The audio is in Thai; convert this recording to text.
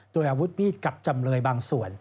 โดยอาวุธมีดกับจำเลยบางส่วน